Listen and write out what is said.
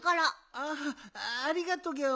ああありがとギャオ。